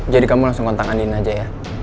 jadi kamu langsung kontang anin aja ya